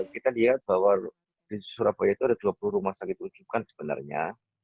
kita lihat bahwa di surabaya itu ada dua puluh rumah sakit rujukan sebenarnya